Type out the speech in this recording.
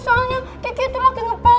soalnya kiki itu lagi ngepel